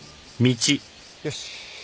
よし。